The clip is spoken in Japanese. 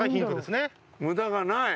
無駄がない？